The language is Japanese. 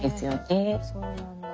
へえそうなんだ。